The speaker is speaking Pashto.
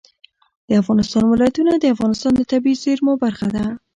د افغانستان ولايتونه د افغانستان د طبیعي زیرمو برخه ده.